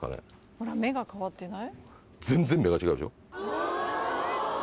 ほら目が変わってない？